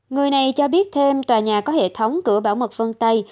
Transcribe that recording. người này cho biết thêm tòa nhà có hệ thống cửa bảo mật vân tay